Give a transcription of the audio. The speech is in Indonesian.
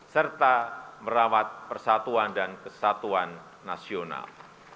serta merawat persatuan dan kesatuan nasional